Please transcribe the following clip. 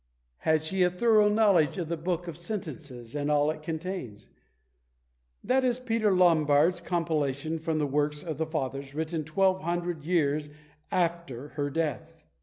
Had she a thorough knowledge of the Book of Sentences, and all it contains? that is, Peter Lombard's compilation from the works of the Fathers, written 1200 years after her death.